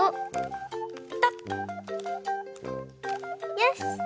よし！